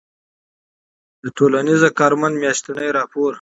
د ټـولنیـز کارمنــد میاشتنی راپــور